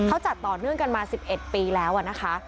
เขาจัดต่อเนื่องกันมาสิบเอ็ดปีแล้วอะนะคะ